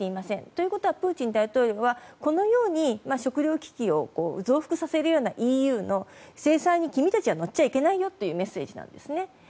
ということはプーチン大統領はこのように食糧危機を増幅させるＥＵの制裁に君たちは乗っちゃいけないよというメッセージなんですね。